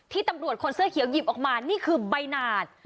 ตำรวจคนเสื้อเขียวหยิบออกมานี่คือใบหนาด